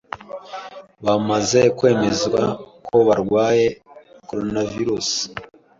bamaze kwemezwa ko barwaye coronavirus